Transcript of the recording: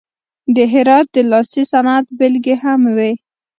د هرات د لاسي صنعت بیلګې هم وې.